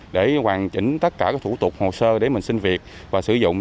để hoàn chỉnh tất cả các thủ tục hồ sơ để mình sinh việc và sử dụng